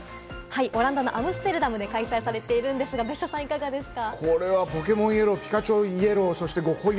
オランダのアムステルダムで開催されているんですが、別所さん、いかがですか？